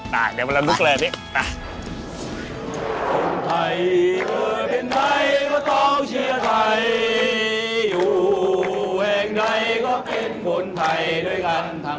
โอเคน่าเดี๋ยวเราลุกแรงนี้น่า